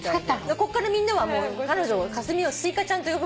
こっからみんなは彼女を香澄をスイカちゃんと呼ぶ。